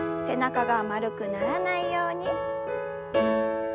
背中が丸くならないように。